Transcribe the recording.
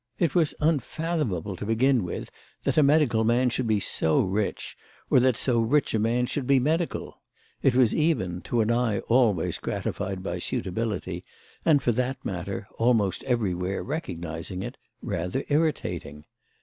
It was unfathomable to begin with that a medical man should be so rich, or that so rich a man should be medical; it was even, to an eye always gratified by suitability and, for that matter, almost everywhere recognising it, rather irritating.